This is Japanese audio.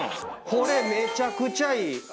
これめちゃくちゃいい！